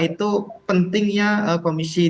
itu pentingnya komisi